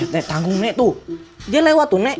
nek tanggung nek tuh dia lewat tuh nek